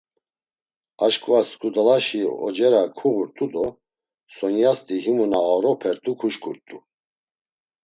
Aşǩva sǩudalaşi ocera kuğurt̆u do Sonyasti himu na aoropert̆u kuşǩurt̆u…